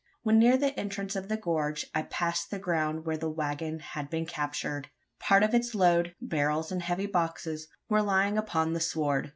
When near the entrance of the gorge, I passed the ground where the waggon had been captured. Part of its load barrels and heavy boxes were lying upon the sward.